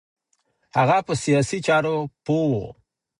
هغه په سیاسی چارو پوه و